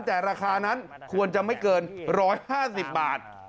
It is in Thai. แต่ราคานั้นควรจะไม่เกิน๑๕๐บาท